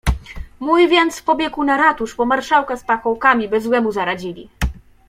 "Mój więc pobiegł na ratusz, po marszałka z pachołkami, by złemu zaradzili."